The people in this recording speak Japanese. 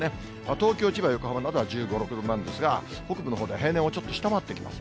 東京、千葉、横浜などは１５、６度なんですが、北部のほうでは平年をちょっと下回ってきます。